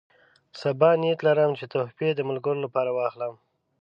سبا نیت لرم چې تحفې د ملګرو لپاره واخلم.